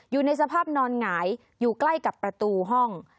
อยู่ในสภาพนอนหงายอยู่ใกล้กับประตูห้อง